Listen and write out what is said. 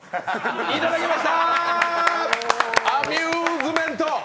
いただきました、アミューズメント！！